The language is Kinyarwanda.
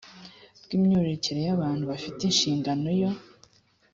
bw imyororokere y abantu bafite inshingano yo